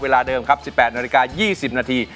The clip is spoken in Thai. เวลาเดิมครับ๑๘นาฬิกา๒๐นาที